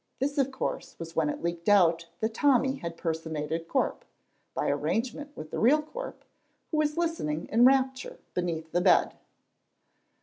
This of course was when it leaked out that Tommy had personated Corp, by arrangement with the real Corp, who was listening in rapture beneath the bed.